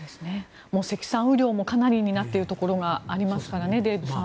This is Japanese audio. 積算雨量もかなりになっているところがありますからねデーブさん。